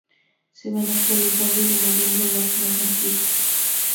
Se van actualizando y removiendo las más antiguas.